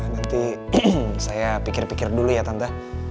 nanti saya pikir pikir dulu ya tanta